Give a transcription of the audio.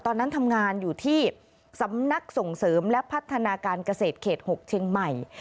ตอนนั้นทำงานอยู่ที่สำนักส่งเสริมและพัฒนาการเกษตรเขต๖เชียงใหม่